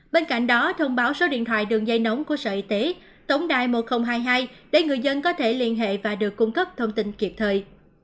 bên cạnh đó thông báo số điện thoại đường dây nóng của sở y tế tổng đài một nghìn hai mươi hai để người dân có thể liên hệ và được cung cấp thông tin kịp thời